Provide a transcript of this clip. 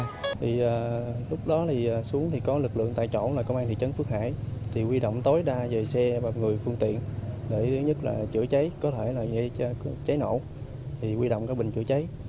thì lúc đó thì xuống thì có lực lượng tại chỗ là công an thị trấn phước hải thì quy động tối đa về xe và người phương tiện để thứ nhất là chữa cháy có thể là dễ cháy nổ thì quy động các bình chữa cháy